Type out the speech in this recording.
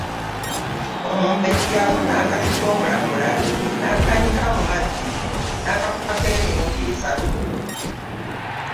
Omumbejja afuna akati k’omulamula n’annyika mu mazzi n’akukubako emirundi esatu.